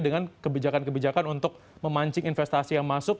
dengan kebijakan kebijakan untuk memancing investasi yang masuk